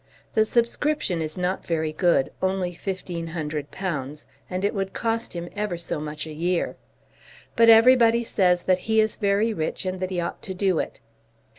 The subscription is not very good, only £1500, and it would cost him ever so much a year. But everybody says that he is very rich and that he ought to do it.